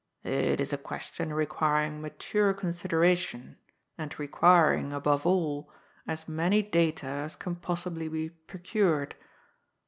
—*^ It is a question requiring mature consideration, and requiring, aboTC all, as many data as can possibly be procured.